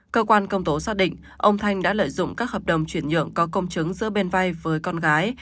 cơ quan công tố xác định ông thanh đã lợi dụng các hợp đồng chuyển nhượng có công chứng giữa bên vay với con gái